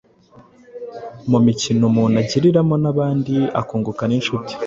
Mu mikino umuntu agiriramo n’abandi akunguka n’inshuti.